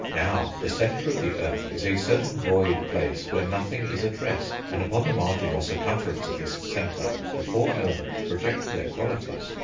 Now the centre of the earth is a certain void place where nothing is at rest, and upon the margin or circumference of this centre the four Elements project their qualities....